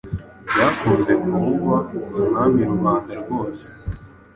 Byakunze kuvugwa umwamirubanda rwose